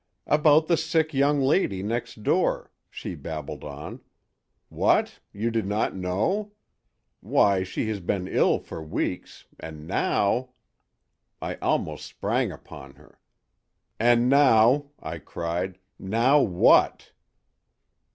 "'About the sick young lady next door,' she babbled on. 'What! you did not know? Why, she has been ill for weeks. And now—' "I almost sprang upon her. 'And now,' I cried, 'now what?